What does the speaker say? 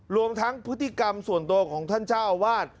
รวมทั้งพฤติกรรมส่วนตัวของท่านเจ้าอาวาส